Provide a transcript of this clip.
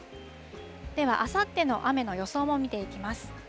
ではあさっての雨の予想も見ていきます。